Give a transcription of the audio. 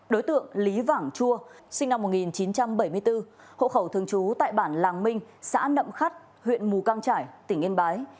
đối tượng lý vảng chua sinh năm một nghìn chín trăm bảy mươi bốn hộ khẩu thường trú tại bản làng minh xã nậm khắt huyện mù căng trải tỉnh yên bái